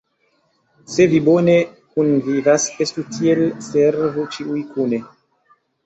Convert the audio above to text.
Se vi bone kunvivas, estu tiel: servu ĉiuj kune!